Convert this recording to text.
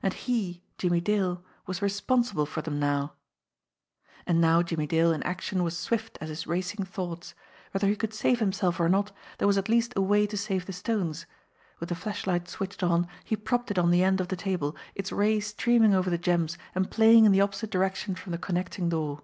And he, Jimmie Dale, was responsible for them now ! And now Jimmie Dale in action was swift as his racing thoughts. Whether he could save himself or not, there was at least a way to save the stones. With the flashlight switched on, he propped it on the end of the table, its ray streaming over the gems and playing in the opposite direc tion from the connecting door.